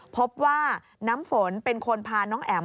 พบว่าน้ำฝนเป็นคนพาน้องแอ๋ม